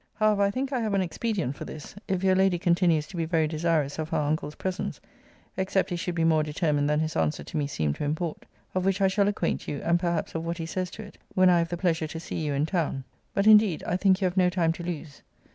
] [However, I think, I have an expedient for this, if your lady continues to be very desirous of her uncle's presence (except he should be more determined than his answer to me seemed to import); of which I shall acquaint you, and perhaps of what he says to it, when I have the pleasure to see you in town. But, indeed, I think you have no time to lose.